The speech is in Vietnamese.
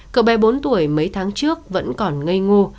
cậu bé bốn tuổi mấy tháng trước vẫn còn ngây ngô